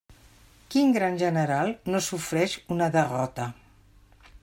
Quin gran general no sofreix una derrota?